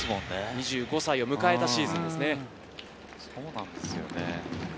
２５歳を迎えたシーズンです。